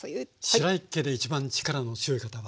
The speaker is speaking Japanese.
しらい家で一番力の強い方は？